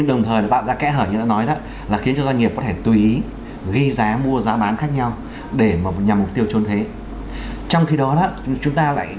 do đó là cái lợi ích nó sẽ bù ngược lại